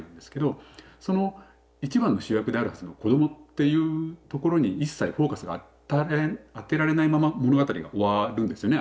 その一番の主役であるはずの「子ども」っていうところに一切フォーカスが当てられないまま物語が終わるんですよね